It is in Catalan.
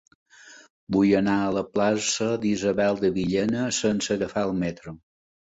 Vull anar a la plaça d'Isabel de Villena sense agafar el metro.